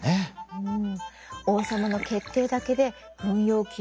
うん。